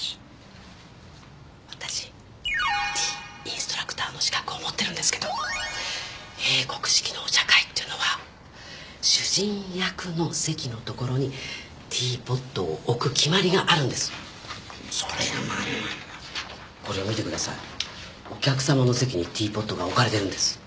私ティーインストラクターの資格を持ってるんですけど英国式のお茶会っていうのは主人役の席の所にティーポットを置く決まりがあるんですそれが何なんだこれを見てくださいお客さまの席にティーポットが置かれてるんです